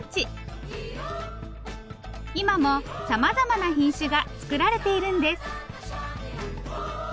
今もさまざまな品種が作られているんです。